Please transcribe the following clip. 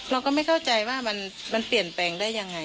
เราก็ไม่เข้าใจว่ามันเปลี่ยนแปลงได้ยังไง